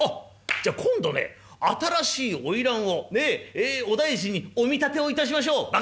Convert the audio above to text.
じゃあ今度ね新しい花魁をお大尽にお見立てを致しましょう！」。